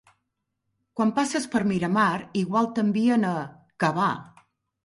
Quan passes per Miramar igual t'envien a... cavar.